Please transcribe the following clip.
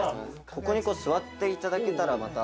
ここに座っていただけたら、また。